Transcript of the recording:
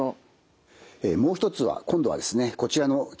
もう一つは今度はですねこちらの器具を使います。